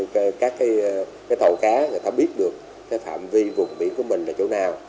cho các cái cái thầu cá người ta biết được cái phạm vi vùng biển của mình là chỗ nào